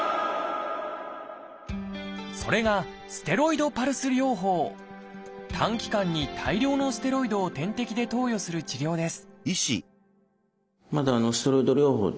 それが短期間に大量のステロイドを点滴で投与する治療です